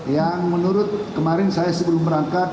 yang menurut kemarin saya sebelum berangkat